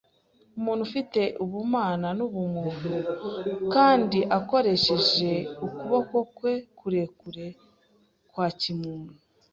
Umuntu ufite ubumana n’ubumuntu kandi akoresheje ukuboko kwe kurekure kwa kimuntu